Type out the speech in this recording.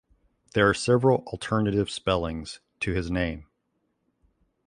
There are several alternative spellings to his name.